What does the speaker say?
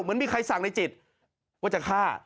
เหมือนมีใครสั่งในจิตว่าจะฆ่า